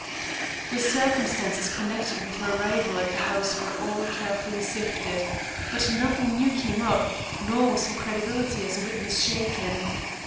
The circumstances connected with her arrival at the house were all carefully sifted, but nothing new came up, nor was her credibility as a witness shaken.